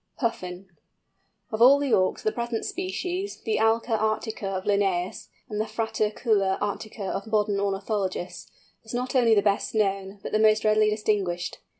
PUFFIN. Of all the Auks the present species, the Alca arctica of Linnæus, and the Fratercula arctica of modern ornithologists, is not only the best known, but the most readily distinguished.